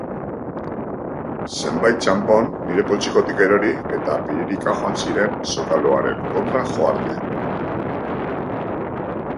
Zenbait txanpon nire poltsikotik erori eta piririka joan ziren zokaloaren kontra jo arte.